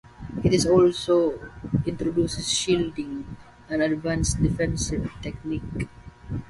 It also introduces Shielding, an advanced defensive technique.